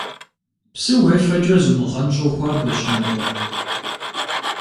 Псы уефэкӏэ зумыгъэнщӏыу хуабэщ нобэ.